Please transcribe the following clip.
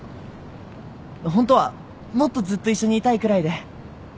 ホントはもっとずっと一緒にいたいくらいで。